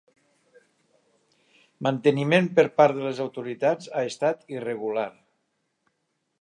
Manteniment per part de les autoritats ha estat irregular.